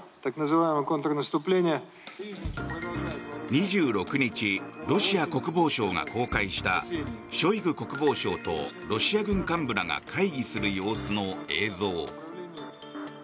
２６日、ロシア国防省が公開したショイグ国防相とロシア軍幹部らが会議する様子の映像。